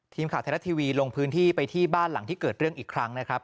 ทีมข่าวไทยรัฐทีวีลงพื้นที่ไปที่บ้านหลังที่เกิดเรื่องอีกครั้งนะครับ